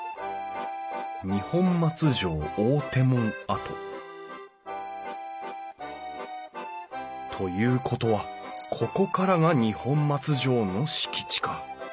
「二本松城大手門跡」ということはここからが二本松城の敷地か。